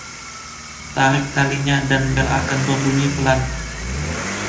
Tarik talinya dan bel akan berbunyi pelan.